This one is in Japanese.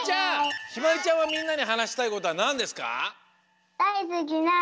ひまりちゃんはみんなにはなしたいことはなんですか？